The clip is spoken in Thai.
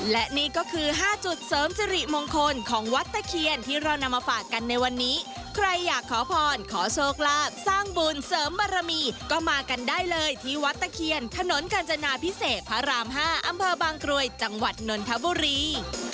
และนี่ก็คือ๕จุดเสริมสิริมงคลของวัดตะเคียนที่เรานำมาฝากกันในวันนี้ใครอยากขอพรขอโชคลาภสร้างบุญเสริมบารมีก็มากันได้เลยที่วัดตะเคียนถนนกาญจนาพิเศษพระราม๕อำเภอบางกรวยจังหวัดนนทบุรี